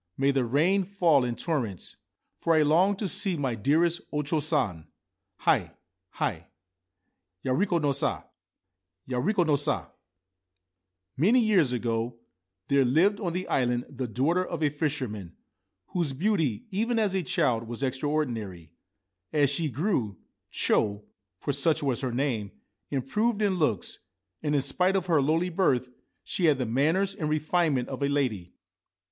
May the rain fall in torrents ! For I long to see my dearest O Cho San. Hi, Hi, Ya re ko no sa ! Ya re ko no sa ! Many years ago there lived on the island the daughter of a fisherman whose beauty even as a child was extra ordinary. As she grew, Cho — for such was her name — improved in looks, and, in spite of her lowly birth, she had the manners and refinement of a lady.